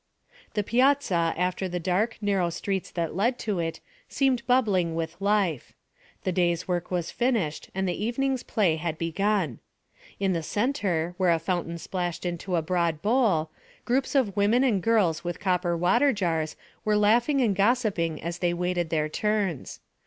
The piazza, after the dark, narrow streets that led to it, seemed bubbling with life. The day's work was finished and the evening's play had begun. In the centre, where a fountain splashed into a broad bowl, groups of women and girls with copper water jars were laughing and gossiping as they waited their turns.